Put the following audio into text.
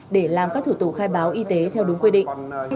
để làm các thủ tục khai báo y tế theo đúng quy định